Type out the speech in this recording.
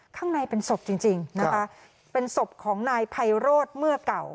ข้างในเป็นศพจริงจริงนะคะเป็นศพของนายไพโรธเมื่อเก่า